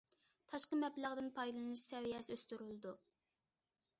تاشقى مەبلەغدىن پايدىلىنىش سەۋىيەسى ئۆستۈرۈلىدۇ.